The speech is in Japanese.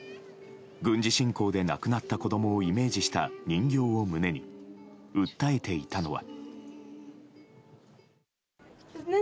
軍事侵攻で亡くなった子供をイメージした人形を胸に訴えていたのは。